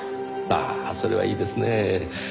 ああそれはいいですねぇ。